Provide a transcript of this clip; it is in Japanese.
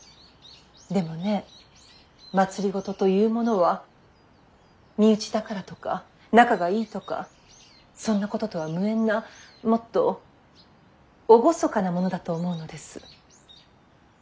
でもね政というものは身内だからとか仲がいいとかそんなこととは無縁なもっと厳かなものだと思うのです。